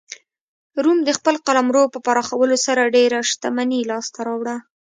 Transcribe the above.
روم د خپل قلمرو په پراخولو سره ډېره شتمني لاسته راوړه